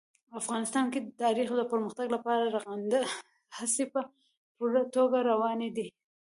افغانستان کې د تاریخ د پرمختګ لپاره رغنده هڅې په پوره توګه روانې دي.